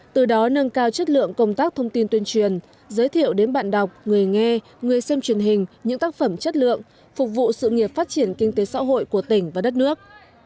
từ đó nâng cao chất lượng công tác thông tin tuyên truyền giới thiệu đến bạn đọc người nghe người xem truyền hình những tác phẩm chất lượng phục vụ sự nghiệp phát triển kinh tế xã hội của tỉnh và đất nước